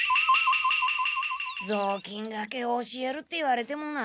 ぞうきんがけを教えるって言われてもな。